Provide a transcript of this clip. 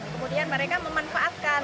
kemudian mereka memanfaatkan